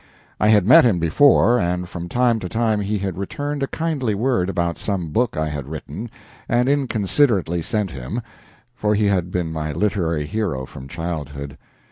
I had met him before, and from time to time he had returned a kindly word about some book I had written and inconsiderately sent him, for he had been my literary hero from childhood.